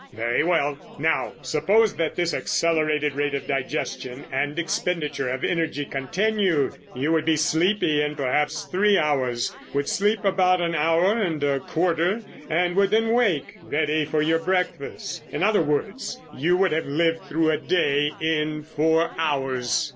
"Very well. Now suppose that this accelerated rate of digestion and expenditure of energy continued. You would be sleepy in perhaps three hours, would sleep about an hour and a quarter, and would then wake, ready for your breakfast. In other words, you would have lived through a day in four hours."